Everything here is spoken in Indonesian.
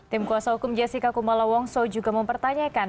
tim kuasa hukum jessica kumala wongso juga mempertanyakan